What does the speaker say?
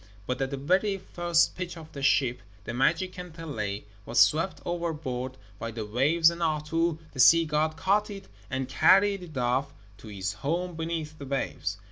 And at the very first pitch of the ship the magic kantele was swept overboard by the waves, and Ahto, the sea god, caught it and carried it off to his home beneath the waves.